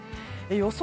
予想